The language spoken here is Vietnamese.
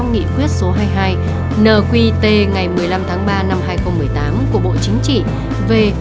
nghị quyết số hai mươi hai nqt ngày một mươi năm tháng ba năm hai nghìn một mươi tám của bộ chính trị về